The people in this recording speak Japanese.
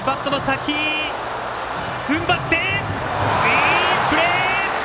いいプレー！